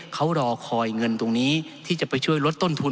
เขารอคอยเงินตรงนี้ที่จะไปช่วยลดต้นทุน